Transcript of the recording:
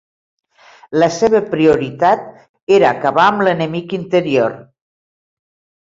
La seva prioritat era acabar amb l'enemic interior.